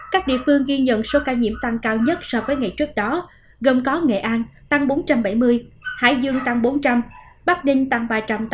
các địa phương ghi nhận số ca nhiễm tăng cao nhất so với ngày trước đó gồm có nghệ an tăng bốn trăm bảy mươi hải dương tăng bốn trăm linh bắc ninh tăng ba trăm tám mươi tám